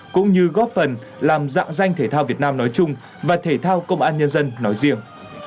cũng như góp phần làm dạng danh thể thao việt nam nói chung và thể thao công an nhân dân nói riêng